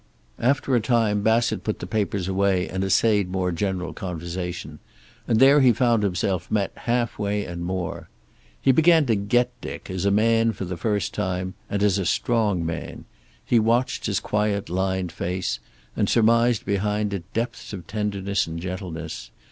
After a time Bassett put the papers away and essayed more general conversation, and there he found himself met half way and more. He began to get Dick as a man, for the first time, and as a strong man. He watched his quiet, lined face, and surmised behind it depths of tenderness and gentleness.